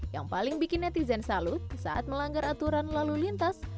yang paling bikin netizen salut saat melanggar aturan lalu lintas